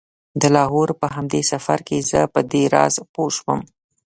د لاهور په همدې سفر کې زه په دې راز پوی شوم.